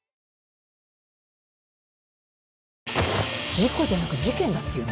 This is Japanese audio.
事故じゃなく事件だっていうの？